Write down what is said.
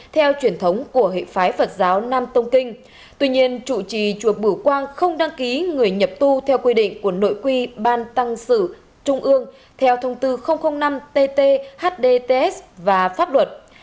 theo truyền thống của hệ phái phật giáo nam tông kinh tuy nhiên chủ trì chùa bửu quang không đăng ký người nhập tu theo quy định của nội quy ban tăng sự trung ương theo thông tư năm tt hdts và pháp luật